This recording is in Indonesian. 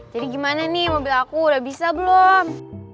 jadi gimana nih mobil aku udah bisa belum